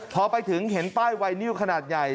พอไปถึงเห็นป้ายไวนิวขนาดใหญ่